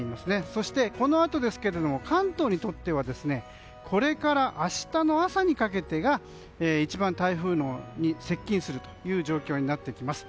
そして、このあと関東にとってはこれから明日の朝にかけてが一番、台風に接近するという状況になってきます。